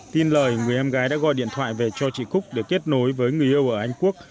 tin lời người em gái đã gọi điện thoại về cho chị cúc để kết nối với người yêu ở anh quốc